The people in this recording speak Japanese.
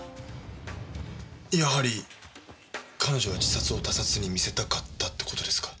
やはり彼女が自殺を他殺に見せたかったって事ですか？